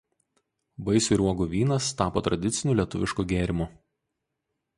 Vaisių ir uogų vynas tapo tradiciniu lietuvišku gėrimu.